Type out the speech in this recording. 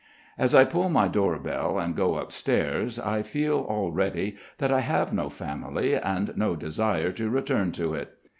As I pull my door bell and go upstairs, I feel already that I have no family and no desire to return to it.